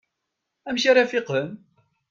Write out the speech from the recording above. Amek ara fiqen?